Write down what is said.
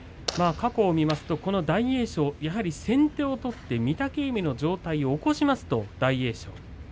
過去を見ますと大栄翔先手を取って、御嶽海の上体を起こしますと大栄翔。